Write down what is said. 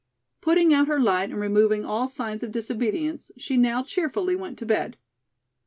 Putting out her light and removing all signs of disobedience, she now cheerfully went to bed.